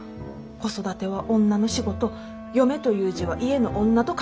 「子育ては女の仕事」「嫁という字は家の女と書く」って。